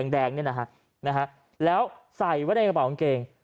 แดงเนี่ยนะฮะแล้วใส่ไว้ในกระเป๋ากางเกง